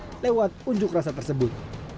yang lewat unjuk rasa tersebut